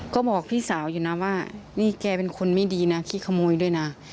ก็บอกพี่สาวอยู่นะว่านี่แกเป็นคนไม่ดีนะขี้ขโมยด้วยนะ